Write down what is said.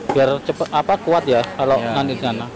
biar cepat apa kuat ya kalau nanti di sana